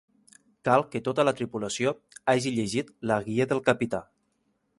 Cal que tota la tripulació hagi llegit la guia del capità